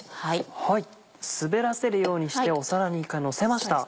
滑らせるようにして皿に一回のせました。